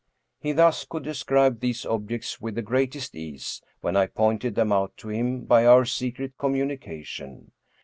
He thus could describe these objects with the greatest ease, when I pointed them out to him by our secret communication.